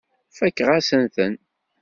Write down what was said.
Fakeɣ-asent-ten.